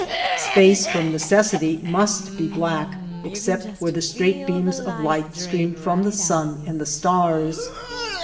Space from necessity must be black except where the straight beams of light stream from the sun and the stars.